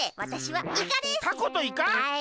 はい。